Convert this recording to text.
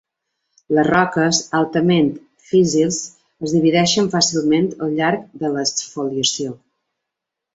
Les roques altament físsils es divideixen fàcilment al llarg de l'exfoliació.